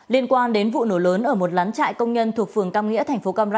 liên quan đến vụ nổ lớn ở một lán chạy công nhân thuộc phường căm nghĩa tp hcm